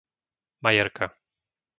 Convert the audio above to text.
Majerka